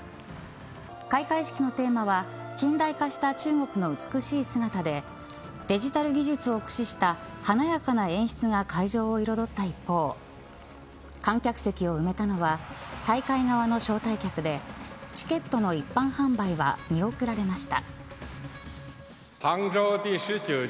開会式のテーマは近代化した中国の美しい姿でデジタル技術を駆使した華やかな演出が会場を彩った一方観客席を埋めたのは大会側の招待客でチケットの一般販売は見送られました。